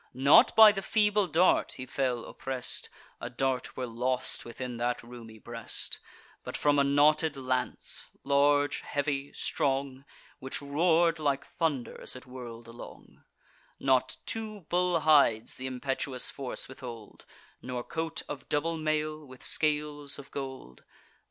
Not by the feeble dart he fell oppress'd (A dart were lost within that roomy breast), But from a knotted lance, large, heavy, strong, Which roar'd like thunder as it whirl'd along: Not two bull hides th' impetuous force withhold, Nor coat of double mail, with scales of gold.